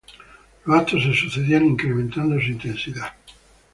Los actos se sucedían incrementando su intensidad.